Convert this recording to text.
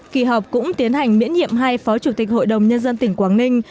kỳ họp cũng tiến hành miễn nhiệm hai phó chủ tịch hội đồng nhân dân tỉnh quảng ninh